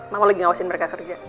aku lagi ngawasin mereka kerja